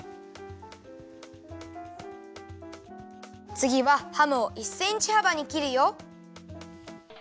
つぎはハムを１センチはばにきるよ。